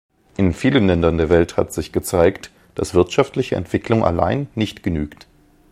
In vielen Ländern der Welt hat sich gezeigt, dass wirtschaftliche Entwicklung allein nicht genügt.